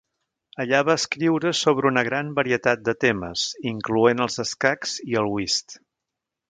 Allà va escriure sobre una gran varietat de temes, incloent els escacs i el whist.